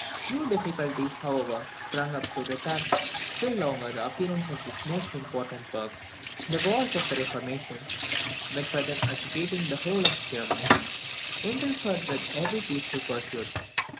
New difficulties, however, sprung up to retard still longer the appearance of this most important work. The wars of the reformation, which were then agitating the whole of Germany, interfered with every peaceful pursuit.